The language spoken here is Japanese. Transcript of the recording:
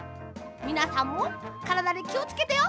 みなさんもからだにきをつけてよ。